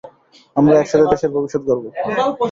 আমরা একসাথে দেশের ভবিষ্যত গড়ব।